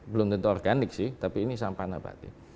belum tentu organik sih tapi ini sampah nabati